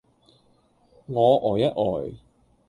我呆一呆